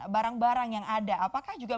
barang barang yang ada apakah juga